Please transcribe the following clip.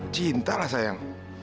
cinta lah sayang